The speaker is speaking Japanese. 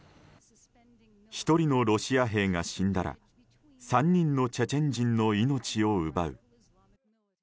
１人のロシア兵が死んだら３人のチェチェン人の命を奪う。